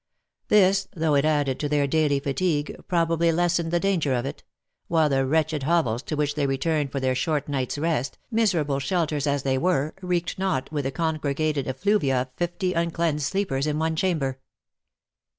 This, though it added to their daily fatigue, probably lessened the danger of it, while the wretched hovels to which they returned for their short night's rest, miserable shelters as they were, reeked not with the congregated effluvia of fifty uncleansed sleepers in one chamber